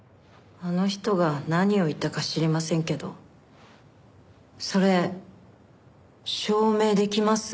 あの人が何を言ったか知りませんけどそれ証明できます？